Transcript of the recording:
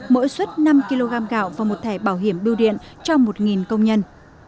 mỗi suất năm kg gạo và một thẻ bảo hiểm biêu điện cho một công nhân